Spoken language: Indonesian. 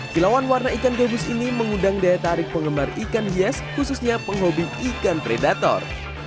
kilauan warna ikan gabus ini mengundang daya tarik penggemar ikan hias khususnya penghobi ikan predator